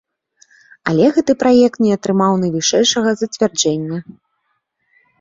Але гэты праект не атрымаў найвышэйшага зацвярджэння.